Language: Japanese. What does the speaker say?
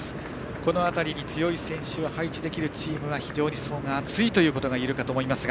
この辺りに強い選手を配置できるチームは非常に層が厚いということがいえるかと思いますが。